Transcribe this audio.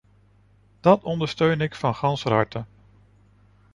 Dat ondersteun ik van ganser harte.